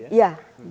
cair berarti ya